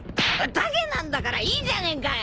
宴なんだからいいじゃねえか。